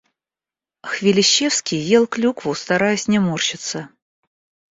Хвилищевский ел клюкву, стараясь не морщиться.